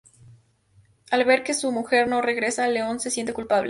Al ver que su mujer no regresa, Leon se siente culpable.